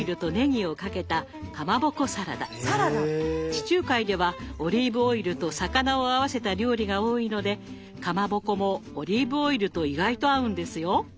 地中海ではオリーブオイルと魚を合わせた料理が多いのでかまぼこもオリーブオイルと意外と合うんですよ。